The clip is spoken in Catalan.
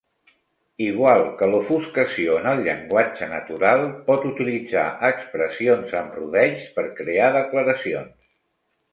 Igual que l'ofuscació en el llenguatge natural, pot utilitzar expressions amb rodeigs per crear declaracions.